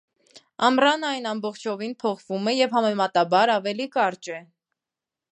Ամռանը այն ամբողջովին փոխվում է և համեմատաբար ավելի կարճ է։